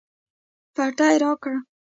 پټۍ راکړه